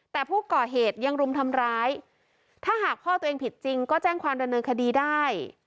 แต่ผู้ก่อเหตุยังรุมทำร้ายถ้าหากพ่อตัวเองผิดจริงก็แจ้งความดำเนินคดีได้